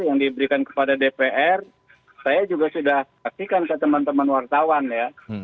yang diberikan kepada dpr saya juga sudah pastikan ke teman teman wartawan ya